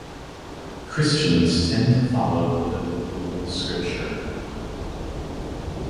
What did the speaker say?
Christians tend to follow the Biblical scripture.